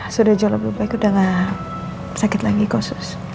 sudah jauh lebih baik udah gak sakit lagi khusus